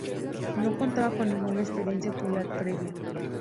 No contaba con ninguna experiencia polar previa.